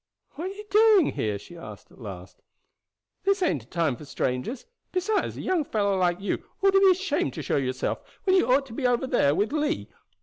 "What are you doing here?" she asked at last. "This ain't a time for strangers; besides a young fellow like you ought to be ashamed to show yourself when you ought to be over there with Lee.